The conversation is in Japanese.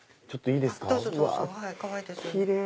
ちょっといいですかキレイ！